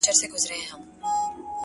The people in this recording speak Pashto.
• پايزېب به دركړمه د سترگو توره ـ